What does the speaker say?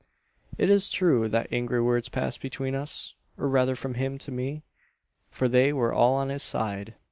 "It is true that angry words passed between us, or rather from him to me: for they were all on his side.